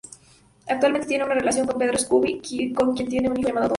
Actualmente tiene una relación con Pedro Scooby, con quien tiene un hijo llamado Dom.